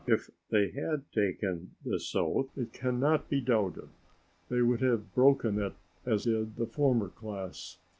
If they had taken this oath, it can not be doubted they would have broken it as did the former class.